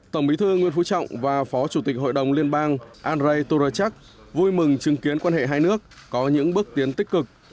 tổng bí thư nguyễn phú trọng và phó chủ tịch hội đồng liên bang andrei turochak vui mừng chứng kiến quan hệ hai nước có những bước tiến tích cực